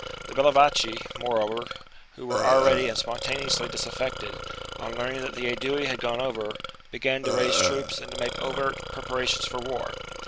The Bellovaci, moreover, who were already and spontaneously disaffected, on learning that the Aedui had gone over, began to raise troops and to make overt preparations for war.